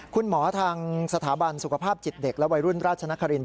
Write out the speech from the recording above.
ทางสถาบันสุขภาพจิตเด็กและวัยรุ่นราชนคริน